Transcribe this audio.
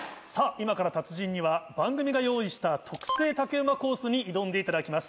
今から達人には番組が用意した。に挑んでいただきます。